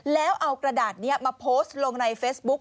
แล้วเอากระดาษนี้มาโพสต์ลงในเฟซบุ๊ก